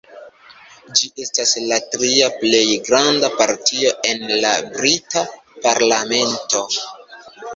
Ĝi estas la tria plej granda partio en la brita parlamento.